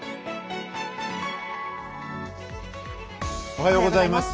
おはようございます。